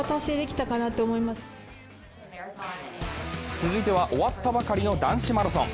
続いては、終わったばかりの男子マラソン。